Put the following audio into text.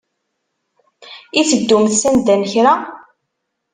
I teddumt sanda n kra?